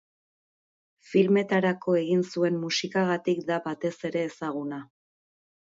Filmetarako egin zuen musikagatik da batez ere ezaguna.